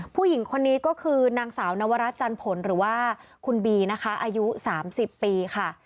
ผู้หญิงคนนี้ก็คือนางสาวนวรัฐจันผลหรือว่าคุณบีนะคะอายุ๓๐ปีค่ะ